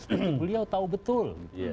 sebenarnya beliau tahu betul